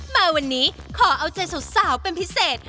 มาวันนี้ขอเอาใจสาวเป็นพิเศษ